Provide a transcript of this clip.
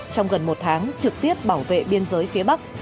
trong gần một tháng trực tiếp bảo vệ biên giới phía bắc